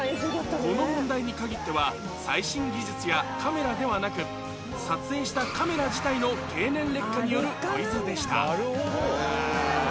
この問題に限っては最新技術やカメラではなく撮影したカメラ自体の経年劣化によるノイズでした